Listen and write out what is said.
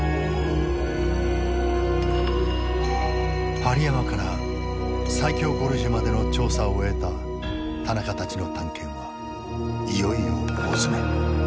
針山から最狭ゴルジュまでの調査を終えた田中たちの探検はいよいよ大詰め。